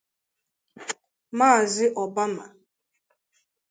Maazị Obama